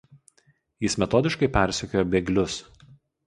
Jis metodiškai persekiojo bėglius.